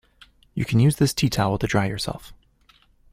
You can use this teatowel to dry yourself.